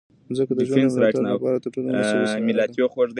مځکه د ژوند د ملاتړ لپاره تر ټولو مناسبه سیاره ده.